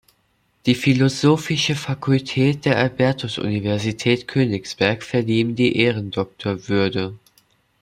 Die Philosophische Fakultät der Albertus-Universität Königsberg verlieh ihm die Ehrendoktorwürde.